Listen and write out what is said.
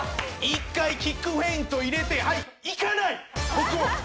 「一回キックフェイント入れてはいいかない！」